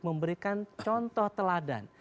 memberikan contoh teladan